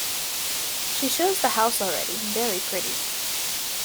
She shows the house already - very pretty.